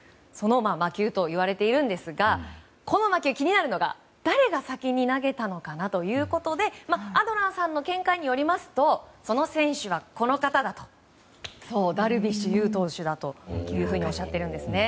魔球と言われているんですがこの魔球、気になるのが誰が先に投げたのかなということでアドラーさんの見解によりますとその選手はダルビッシュ有投手だとおっしゃっているんですね。